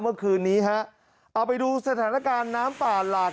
เมื่อคืนนี้ฮะเอาไปดูสถานการณ์น้ำป่าหลาก